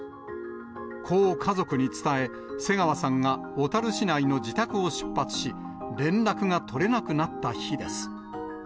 こう家族に伝え、瀬川さんが小樽市内の自宅を出発し、連絡が取れなくなった日です。